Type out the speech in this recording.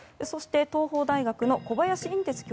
そして東邦大学の小林寅